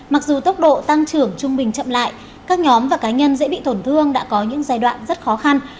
mặc dù tốc độ tăng trưởng trung bình chậm lại các nhóm và cá nhân dễ bị tổn thương đã có những giai đoạn rất khó khăn